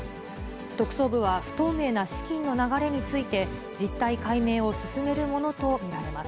特捜部は、不透明な資金の流れについて、実態解明を進めるものと見られます。